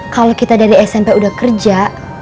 kalau kita dari smp udah kerja